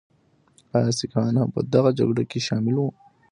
ایا سکهان هم په دغه جګړه کې شامل وو؟